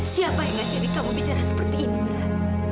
siapa yang ngasih diri kamu bicara seperti ini camilla